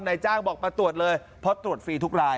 นายจ้างบอกมาตรวจเลยเพราะตรวจฟรีทุกราย